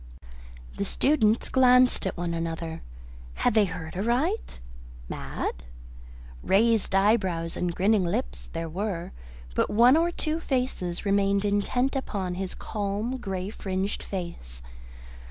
The students glanced at one another. Had they heard aright? Mad? Raised eyebrows and grinning lips there were, but one or two faces remained intent upon his calm grey fringed face.